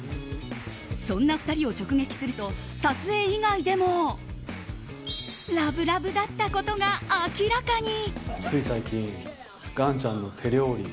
そんな２人を直撃すると撮影以外でもラブラブだったことが明らかに！